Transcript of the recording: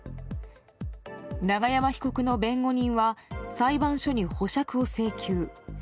永山被告の弁護人は裁判所に保釈を請求。